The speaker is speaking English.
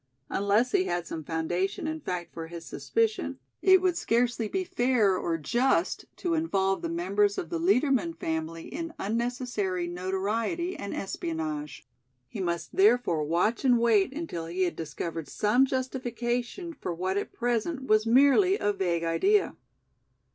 Unless he had some foundation in fact for his suspicion, it would scarcely be fair or just to involve the members of the Liedermann family in unnecessary notoriety and espionage. He must therefore watch and wait until he had discovered some justification for what at present was merely a vague idea.